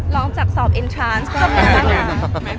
ร้องจากสอบเอ็นทรานส์ก็คือหนักที่สุดในชีวิตเลยจริง